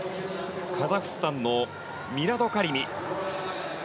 カザフスタンのミラド・カリミ。